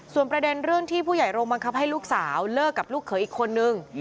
ส่วนประเด็นเรื่องที่ผู้ใหญ่โรงบังคับให้ลูกสาวเลิกกับลูกเขยอีกคนนึง